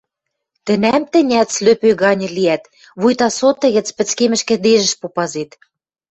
Тӹнӓм тӹнят слӧпӧй ганьы лиӓт, вуйта соты гӹц пӹцкемӹш кӹдежӹш попазет.